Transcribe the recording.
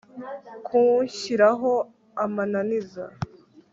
kunshyiraho amananiza